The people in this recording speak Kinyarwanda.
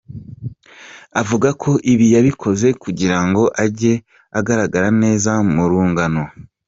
Avuga ko ibi yabikoze kugira ngo ajye agarara neza mu rungano.